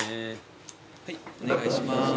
はいお願いします。